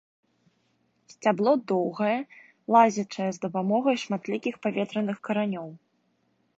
Сцябло доўгае, лазячае з дапамогай шматлікіх паветраных каранёў.